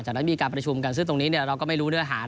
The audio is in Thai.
จากนั้นมีการประชุมกันซึ่งตรงนี้เราก็ไม่รู้เนื้อหา